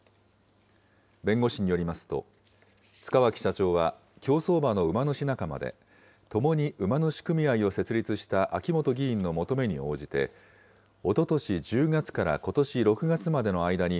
弁護士によりますと、塚脇社長は、競走馬の馬主仲間で、ともに馬主組合を設立した秋本議員の求めに応じて、おととし１０月からことし６月までの間に、